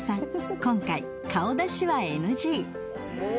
今回顔出しはＮＧ。